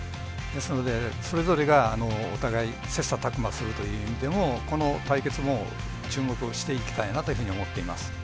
ですので、それぞれがお互い切さたく磨するという意味でもこの対決も注目をしていきたいなというふうに思っています。